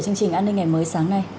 chúng em gặp rất nhiều vô thân